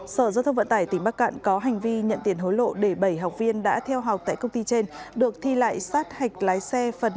sở giao thông vận tải tỉnh bắc cạn có hành vi nhận tiền hối lộ để bảy học viên đã theo học tại công ty trên